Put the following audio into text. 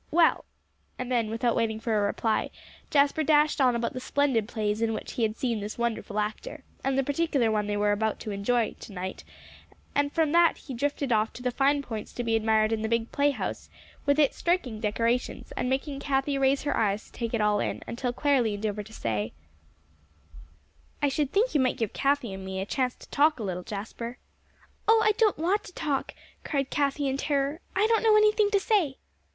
Well " And then, without waiting for a reply, Jasper dashed on about the splendid plays in which he had seen this wonderful actor, and the particular one they were to enjoy to night; and from that he drifted off to the fine points to be admired in the big playhouse, with its striking decorations, making Cathie raise her eyes to take it all in, until Clare leaned over to say: "I should think you might give Cathie and me a chance to talk a little, Jasper." "Oh, I don't want to talk," cried Cathie in terror. "I don't know anything to say."